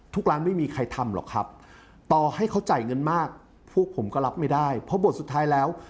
ทุกร้านไม่มีใครทำหรอกครับต่อให้เขาจ่ายเงินมากพวกผมก็รับไม่ได้เพราะบทสุดท้ายแล้ว